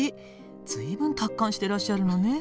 随分達観してらっしゃるのねえ。